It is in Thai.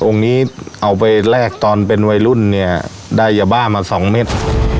องค์นี้เอาไปแลกตอนเป็นวัยรุ่นเนี่ยได้อย่าบ้ามา๒เมตร